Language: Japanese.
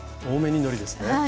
多めにのりですね。